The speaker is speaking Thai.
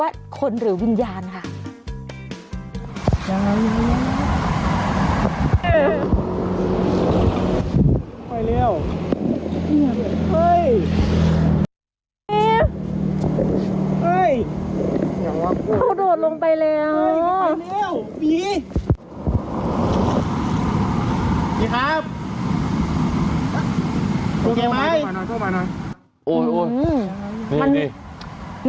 โอเคไหม